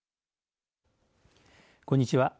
こんにちは。